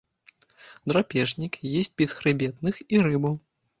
Драпежнік, есць бесхрыбетных і рыбу.